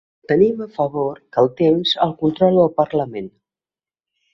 Tenim a favor que el temps el controla el parlament.